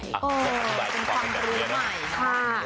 เป็นความแล้วใหม่